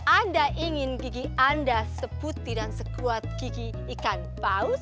anda ingin gigi anda seputi dan sekuat gigi ikan paus